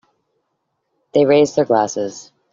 They raise their glasses.